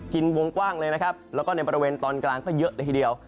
วงกว้างเลยนะครับแล้วก็ในบริเวณตอนกลางก็เยอะเลยทีเดียว